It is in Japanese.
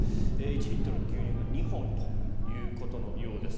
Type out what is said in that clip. １リットルの牛乳が２本とのことのようです。